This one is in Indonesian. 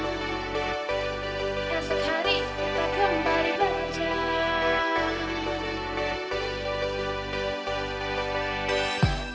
esok hari kita kembali bekerja